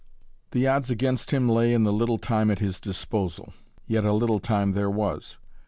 The odds against him lay in the little time at his disposal. Yet a little time there was.